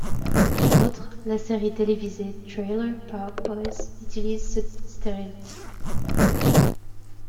Entre autres, la série télévisée Trailer Park Boys utilise ce stéréotype.